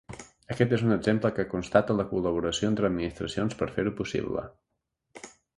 Aquest és un exemple que constata la col·laboració entre administracions per fer-ho possible.